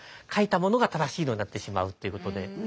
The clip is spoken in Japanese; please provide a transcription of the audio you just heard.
書いたものが正しいのになってしまうということで。